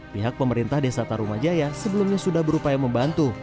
pihak pemerintah desa tarumajaya sebelumnya sudah berupaya membantu